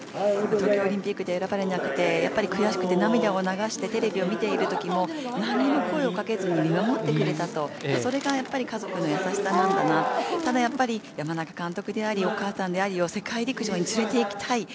東京オリンピックで選ばれなくて悔しくて涙も流してテレビを見ているときも何の声もかけずに見守ってくれたとそれがやっぱり家族の優しさなんだなただ、やっぱり山中監督でありお母さんでありを世界陸上に連れていきたい